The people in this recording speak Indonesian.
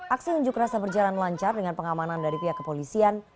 aksi unjuk rasa berjalan lancar dengan pengamanan dari pihak kepolisian